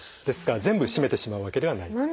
ですから全部閉めてしまうわけではない。